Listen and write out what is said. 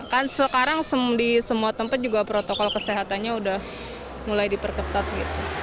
kan sekarang di semua tempat juga protokol kesehatannya udah mulai diperketat gitu